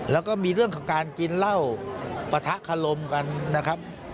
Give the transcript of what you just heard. แล้วก็มีเรื่องของการกินเหล้าปะทะคลมกันนะครับ